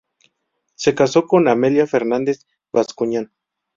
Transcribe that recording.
Se casó con "Amelia Fernández Bascuñán".